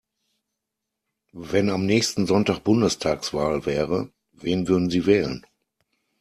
Wenn am nächsten Sonntag Bundestagswahl wäre, wen würden Sie wählen?